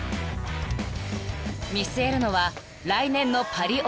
［見据えるのは来年のパリオリンピック］